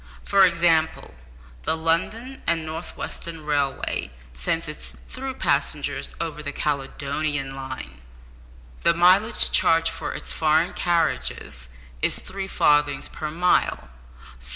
For example, the London and North Western railway sends its through passengers over the Caledonian line. The mileage charged for its "foreign" carriages is three farthings per mile.